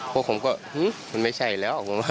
พวกผมก็มันไม่ใช่แล้ว